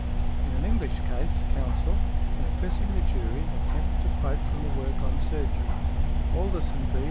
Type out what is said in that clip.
. In an English case, counsel, in addressing the jury, attempted to quote from a work on surgery; Alderson, B.